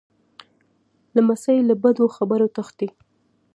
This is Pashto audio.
لمسی له بدو خبرو تښتي.